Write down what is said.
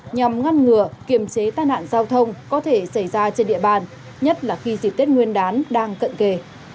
nhằm ngăn ngừa kiềm chế tai nạn giao thông có thể xảy ra trên địa bàn nhất là khi dịp tết nguyên đán đang cận kề